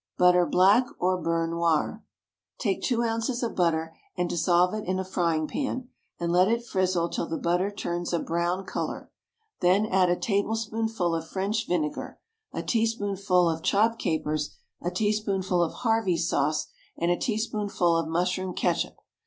BUTTER, BLACK, OR BEURRE NOIR. Take two ounces of butter, and dissolve it in a frying pan, and let it frizzle till the butter turns a brown colour; then add a tablespoonful of French vinegar, a teaspoonful of chopped capers, a teaspoonful of Harvey's sauce, and a teaspoonful of mushroom ketchup.